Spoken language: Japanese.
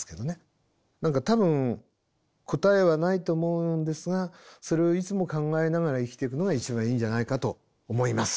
何か多分答えはないと思うんですがそれをいつも考えながら生きていくのが一番いいんじゃないかと思います。